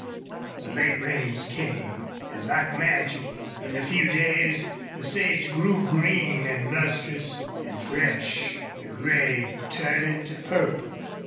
The late rains came and like magic, in a few days, the sage grew green and lustrous and fresh, the gray turning to purple.